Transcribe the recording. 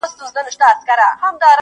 o اول سلام ،پسې اتام!